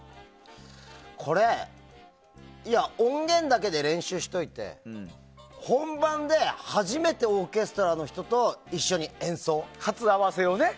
これ、音源だけで練習しておいて本番で初めてオーケストラの人と一緒に演奏。